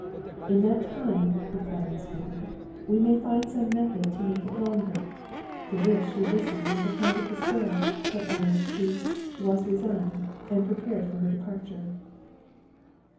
"In that time," replied Miss Woodley, "we may find some method to make it longer." To this she listened with a kind of despair, but uttered, she "Was resigned,"—and she prepared for her departure.